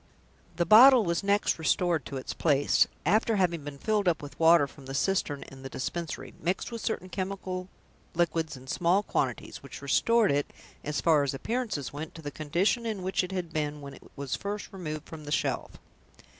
The bottle was next restored to its place, after having been filled up with water from the cistern in the Dispensary, mixed with certain chemical liquids in small quantities, which restored it (so far as appearances went) to the condition in which it had been when it was first removed from the shelf.